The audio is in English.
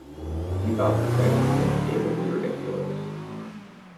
He thought that sex was inescapably ridiculous.